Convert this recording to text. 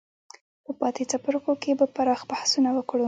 په پاتې څپرکو کې به پراخ بحثونه وکړو.